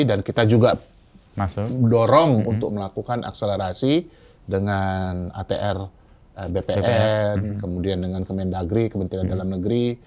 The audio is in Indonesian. dan kita juga dorong untuk melakukan akselerasi dengan atr bpn kemudian dengan kementerian agri kementerian dalam negeri